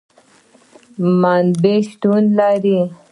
منابع شتون لري